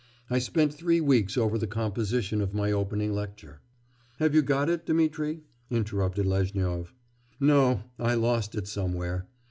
I spent three weeks over the composition of my opening lecture.' 'Have you got it, Dmitri?' interrupted Lezhnyov. 'No! I lost it somewhere.